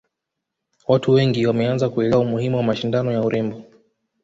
watu wengi wameanza kuelewa umuhimu wa mashindano ya urembo